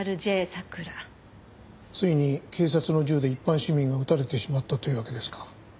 ついに警察の銃で一般市民が撃たれてしまったというわけですか。